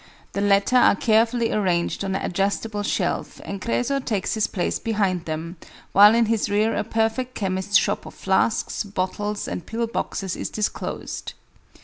The latter are carefully arranged on an adjustable shelf, and Créso takes his place behind them, while in his rear a perfect chemist's shop of flasks, bottles, and pillboxes is disclosed.